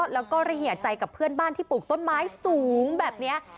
แล้วก็ระเหยียใจกับเพื่อนบ้านที่ปลูกต้นไม้สูงแบบนี้